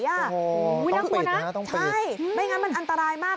ต้องปิดนะต้องปิดใช่ไม่งั้นมันอันตรายมาก